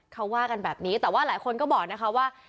เขาว่ากันแบบนี้แต่ว่าหลายคนก็บอกนะคะว่า